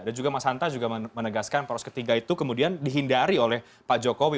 dan juga mas hanta juga menegaskan poros ketiga itu kemudian dihindari oleh pak jokowi